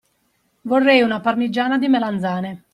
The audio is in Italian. Vorrei una parmigiana di melanzane.